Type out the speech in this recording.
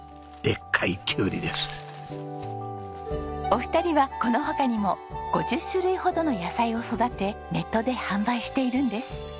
お二人はこの他にも５０種類ほどの野菜を育てネットで販売しているんです。